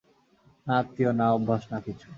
না আত্মীয়, না অভ্যাস, না কিছু।